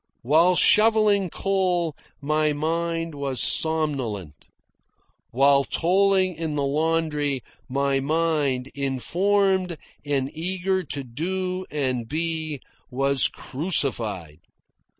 While shovelling coal my mind was somnolent. While toiling in the laundry my mind, informed and eager to do and be, was crucified.